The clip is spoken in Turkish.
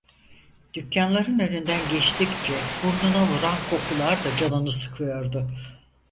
Dükkânların önünden geçtikçe burnuna vuran kokular da canını sıkıyordu.